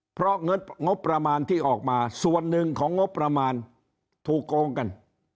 เพราะงบประมาณที่ออกมาส่วนหนึ่งของงบประมาณถูกโกงกัน